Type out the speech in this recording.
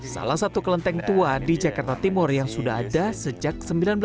salah satu kelenteng tua di jakarta timur yang sudah ada sejak seribu sembilan ratus sembilan puluh